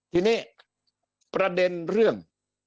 ทีนี้ประเด็นเรื่อง